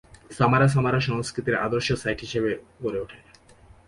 সামারা সামারা সংস্কৃতির আদর্শ সাইট হিসেবে গড়ে ওঠে।